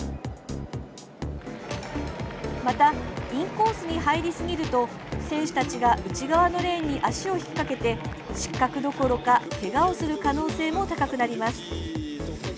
また、インコースに入りすぎると選手たちが内側のレーンに足をひっかけて失格どころかけがをする可能性も高くなります。